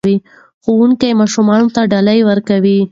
ښوونکي ماشومانو ته ډالۍ ورکړې.